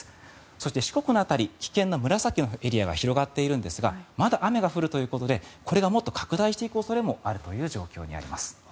そして、四国の辺り危険な紫のエリアが広がっているんですがまだ雨が降るということでこれがもっと拡大する恐れもあるという状況にあります。